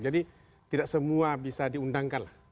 jadi tidak semua bisa diundangkan lah